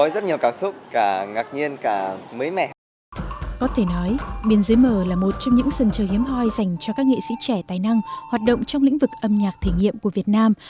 dành cho các nghệ sĩ trẻ tài năng hoạt động trong lĩnh vực âm nhạc thể nghiệm của việt nam